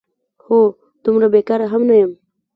هو، دومره بېکاره هم نه یم؟!